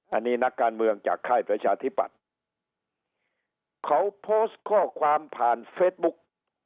อันนี้นักการเมืองจากค่ายประชาธิปัตย์เขาโพสต์ข้อความผ่านเฟซบุ๊ก